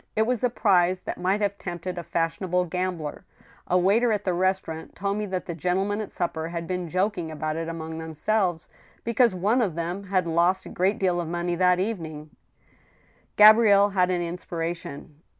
It was a prize that might have tempted a fashionable gambler. ... A waiter at the restaurant told me that the gentlemen at supper had been jok ing about it among themselves, because one of them had lost a great deal of money that evening —" Gabrielle had an inspiration.